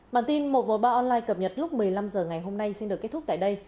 bản tin một trăm một mươi ba online cập nhật lúc một mươi năm h ngày hôm nay xin được kết thúc tại đây